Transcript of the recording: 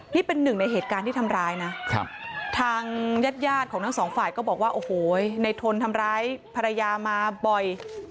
นี่เป็นหนึ่งในเหตุการณ์ที่ทำร้ายนะทางญาติของทั้งสองฝ่ายก็บอกว่าโอ้โหในทนทำร้ายภรรยามาบ่อย